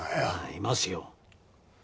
いますよ。